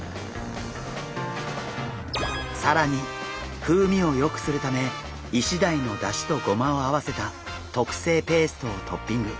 さらに風味をよくするためイシダイのだしとごまを合わせた特製ペーストをトッピング。